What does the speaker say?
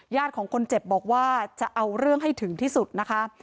ของคนเจ็บบอกว่าจะเอาเรื่องให้ถึงที่สุดนะคะ